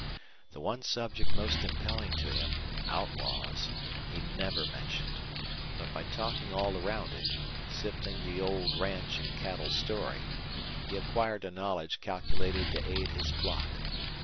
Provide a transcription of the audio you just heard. The one subject most impelling to him outlaws he never mentioned; but by talking all around it, sifting the old ranch and cattle story, he acquired a knowledge calculated to aid his plot.